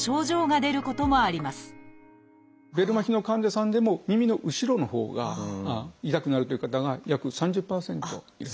ベル麻痺の患者さんでも耳の後ろのほうが痛くなるという方が約３０％いらっしゃいます。